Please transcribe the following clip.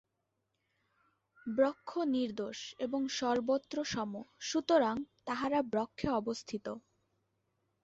ব্রহ্ম নির্দোষ এবং সর্বত্র সম, সুতরাং তাঁহারা ব্রহ্মে অবস্থিত।